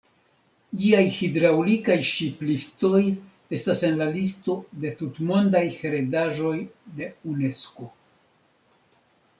Ĝiaj hidraŭlikaj ŝipliftoj estas en la listo de tutmondaj heredaĵoj de Unesko.